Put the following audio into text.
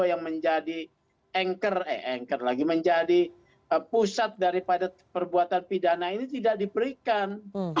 yang menjadi pusat daripada perbuatan pidana ini tidak diberikan